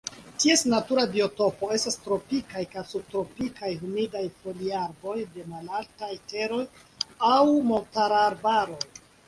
Ties natura biotopo estas tropikaj kaj subtropikaj humidaj foliarbaroj de malaltaj teroj aŭ montarbaroj.